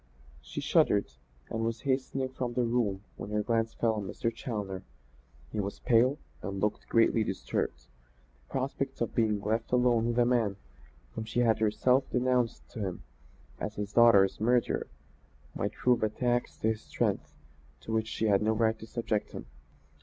She shuddered, and was hastening from the room when her glance fell on Mr. Challoner. He was pale and looked greatly disturbed. The prospect of being left alone with a man whom she had herself denounced to him as his daughter's murderer, might prove a tax to his strength to which she had no right to subject him.